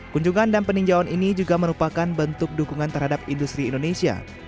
kunjungan dan peninjauan ini juga merupakan bentuk dukungan terhadap industri indonesia